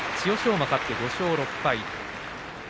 馬勝って５勝６敗。